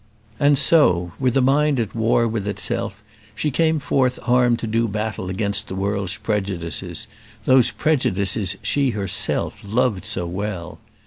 And so, with a mind at war with itself, she came forth armed to do battle against the world's prejudices, those prejudices she herself loved so well.